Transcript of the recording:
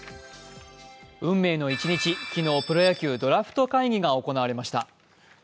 運命の一日、昨日、プロ野球ドラフト会議が行われました。